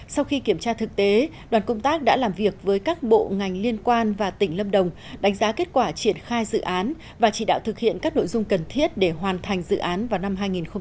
sau khi kiểm tra thực tế đoàn công tác đã làm việc với các bộ ngành liên quan và tỉnh lâm đồng đánh giá kết quả triển khai dự án và chỉ đạo thực hiện các nội dung cần thiết để hoàn thành dự án vào năm hai nghìn hai mươi